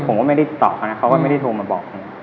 ผมไม่ได้ต่อเขาก็ไม่ได้โทรมาบอก